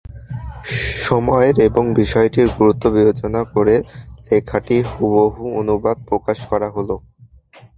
সময়ের এবং বিষয়টির গুরুত্ব বিবেচনা করে লেখাটি হুবহু অনুবাদ প্রকাশ করা হলো।